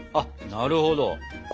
なるほど。